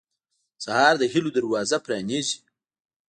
سهار د هيلو دروازه پرانیزي.